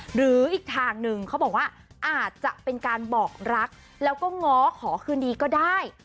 หรืออีกทางหนึ่งเขาบอกว่าอาจจะเป็นการบอกรักแล้วก็ง้อขอคืนดีก็ได้